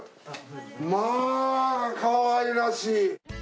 まあかわいらしい。